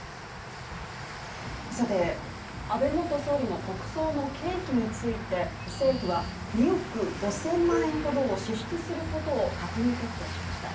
安倍元総理の国葬の経費について政府は２億５０００万円ほどを支出することを閣議決定しました。